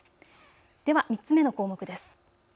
では３つ目の項目です。